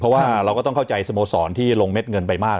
เพราะว่าเราก็ต้องเข้าใจสโมสรที่ลงเม็ดเงินไปมาก